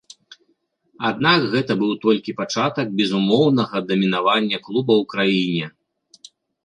Аднак, гэта быў толькі пачатак безумоўнага дамінавання клуба ў краіне.